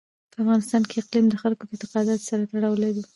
په افغانستان کې اقلیم د خلکو د اعتقاداتو سره تړاو لري.